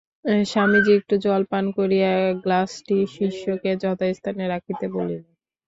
স্বামীজী একটু জল পান করিয়া গ্লাসটি শিষ্যকে যথাস্থানে রাখিতে বলিলেন।